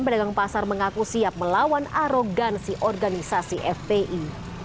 pedagang pasar mengaku siap melawan arogan si organisasi fpi